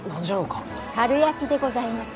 かるやきでございます。